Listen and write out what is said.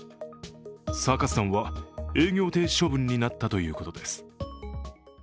サーカス団は営業停止処分になったということです。